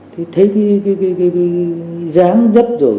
thấy cái dáng dấp rồi